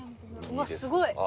うわっすごい。